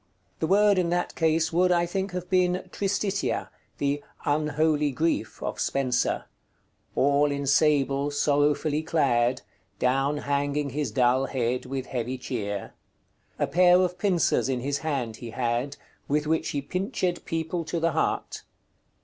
The word in that case would, I think, have been "Tristitia," the "unholy Griefe" of Spenser "All in sable sorrowfully clad, Downe hanging his dull head with heavy chere: A pair of pincers in his hand he had, With which he pinched people to the heart."